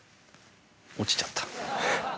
落ちちゃった。